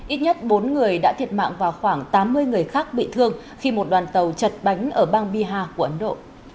ít nhất bốn người đã thiệt mạng và khoảng tám mươi người khác bị thương khi một đoàn tàu chật bánh ở bang bihar của ấn độ